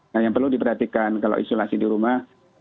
nah yang perlu diperhatikan kalau isolasi di rumah